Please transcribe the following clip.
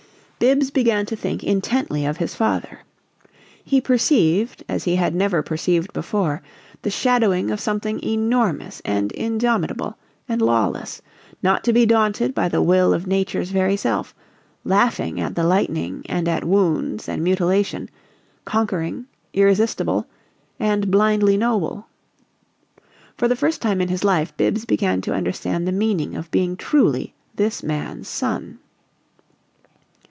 Bibbs began to think intently of his father. He perceived, as he had never perceived before, the shadowing of something enormous and indomitable and lawless; not to be daunted by the will of nature's very self; laughing at the lightning and at wounds and mutilation; conquering, irresistible and blindly noble. For the first time in his life Bibbs began to understand the meaning of being truly this man's son.